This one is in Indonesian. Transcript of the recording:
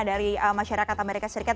dari masyarakat amerika serikat